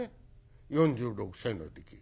４６歳の時。